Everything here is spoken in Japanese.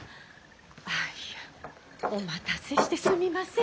アイヤーお待たせしてすみません。